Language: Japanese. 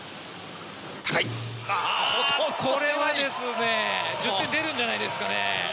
これは１０点出るんじゃないですかね。